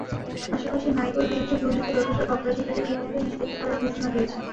পাশাপাশি নাইকোর বিরুদ্ধে দুর্নীতির অভিযোগ অগ্রাধিকারের ভিত্তিতে নিষ্পত্তি করার ঘোষণা দিয়েছেন।